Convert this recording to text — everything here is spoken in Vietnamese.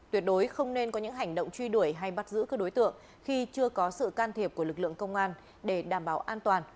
tuyệt đối không nên có những hành động truy đuổi hay bắt giữ các đối tượng khi chưa có sự can thiệp của lực lượng công an để đảm bảo an toàn